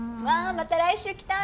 また来週来たい！